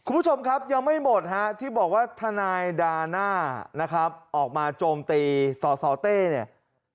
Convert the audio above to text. คุณผู้ชมครับยังไม่หมดที่บอกว่าทนายด่าหน้าออกมาโจมตีส่อเต้นี่